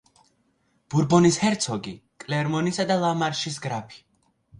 ბურბონის ჰერცოგი, კლერმონისა და ლა მარშის გრაფი.